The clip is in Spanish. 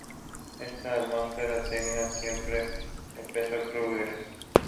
Esta atmósfera tensa siempre le pesó a Krüger.